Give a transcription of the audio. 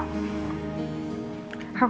tidak aku tau